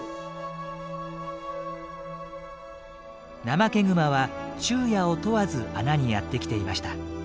ナマケグマは昼夜を問わず穴にやってきていました。